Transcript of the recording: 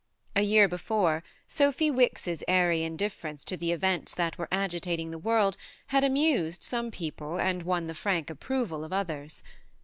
A year before, Sophy Wicks's airy indifference to the events that were agitating the world had amused some people and won the frank approval of others.